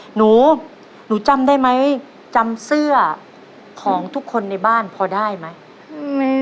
หนูหนูจำได้ไหมจำเสื้อของทุกคนในบ้านพอได้ไหม